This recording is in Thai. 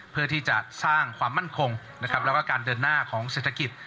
เพื่อที่จะสร้างความมั่นคงแล้วก็การเดินหน้าของเศรษฐกิจ